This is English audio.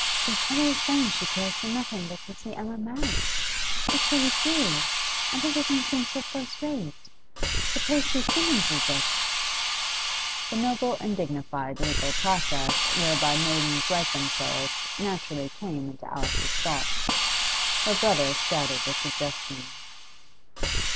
'She's always saying she cares for nothing but to see Emma married. What shall we do? And everything seemed so first rate. Suppose she summonses you, Dick?' The noble and dignified legal process whereby maidens right themselves naturally came into Alice's thoughts. Her brother scouted the suggestion.